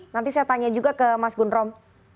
nanti saya tanya juga ke mas gundrom